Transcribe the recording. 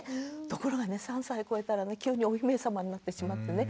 ところがね３歳こえたら急にお姫様になってしまってね